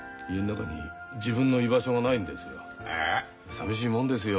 さみしいもんですよ